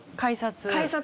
改札？